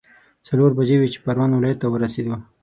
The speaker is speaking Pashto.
څلور بجې وې چې پروان ولايت ته ورسېدو.